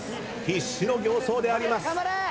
必死の形相であります。